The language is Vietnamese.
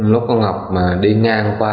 lúc ông ngọc đi ngang qua